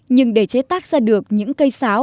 nhưng để chế tác ra được những cây sáo